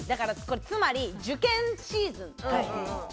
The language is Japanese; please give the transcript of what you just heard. つまり受験シーズン。